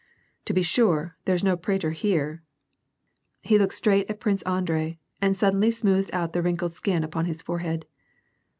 To be sure, there's no prater here !" He looked straight at Prince Andrei, and suddenly smoothed out the wrinkled skin upon his forehead.